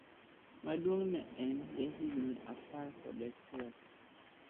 Maduong' ne en ja higni apar kod achiel.